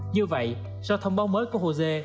như vậy do thông báo mới của hồ sê